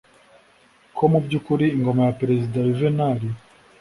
ko mu by'ukuri ingoma ya perezida yuvenali